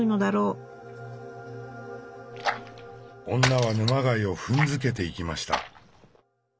女は沼貝を踏んづけていきました。